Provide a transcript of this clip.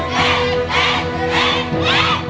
เล่นครับ